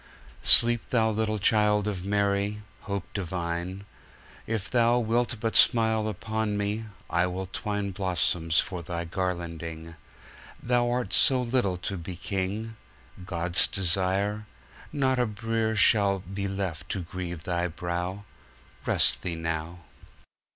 Sleep, Thou little Child of Mary, Hope divine. If Thou wilt but smile upon me, I will twineBlossoms for Thy garlanding. Thou'rt so little to be King, God's Desire! Not a brierShall be left to grieve Thy brow; Rest Thee now.